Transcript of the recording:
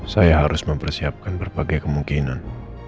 saya harus mempersiapkan berbagai kemungkinan